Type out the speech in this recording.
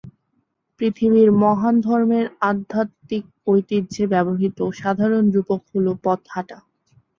পৃথিবীর মহান ধর্মের আধ্যাত্মিক ঐতিহ্যে ব্যবহৃত সাধারণ রূপক হল পথ হাঁটা।